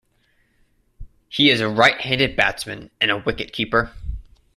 He is a right-handed batsman and a wicket-keeper.